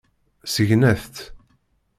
Segnet-tt.